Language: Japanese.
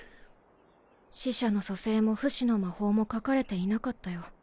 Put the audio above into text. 死者の蘇生も不死の魔法も書かれていなかったよ。